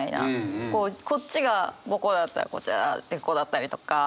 こっちがこうだったらこっちがこうだったりとか。